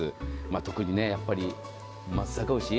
特に松阪牛。